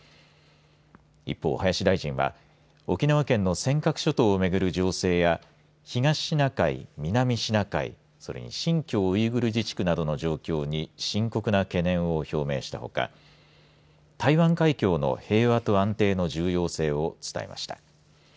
一方、林大臣は沖縄県の尖閣諸島を巡る情勢や東シナ海、南シナ海それに新疆ウイグル自治区などの状況に深刻な懸念を表明したほか台湾海峡の平和と安定の重要性を伝えました。